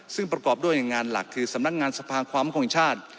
ซึ่งประกอบด้วยหน่วยงานหลักคือสำนักงานสภาความของชาติ